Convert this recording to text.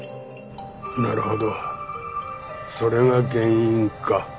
なるほどそれが原因か。